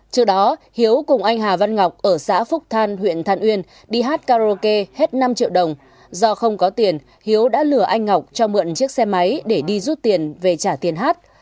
trước đó hiếu cùng anh hà văn ngọc ở xã phúc than huyện than uyên đi hát karaoke hết năm triệu đồng do không có tiền hiếu đã lừa anh ngọc cho mượn chiếc xe máy để đi rút tiền về trả tiền hát